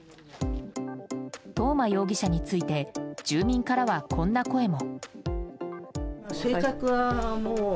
東間容疑者について住民からは、こんな声も。